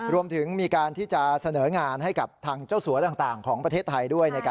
รวมถึงมีการที่จะเสนองานให้กับทางเจ้าสัวต่างของประเทศไทยด้วย